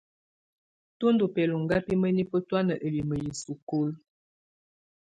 Tú ndɔ́ bɛlɔŋga bɛ mǝnifǝ tɔ̀ána ǝlimǝ yɛ sukulu.